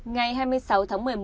ngày hai mươi sáu tháng một mươi một